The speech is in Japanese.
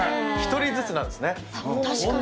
１人ずつなんですね。